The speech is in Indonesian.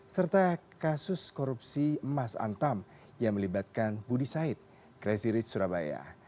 serta kasus korupsi emas antam yang melibatkan budi said crazy rich surabaya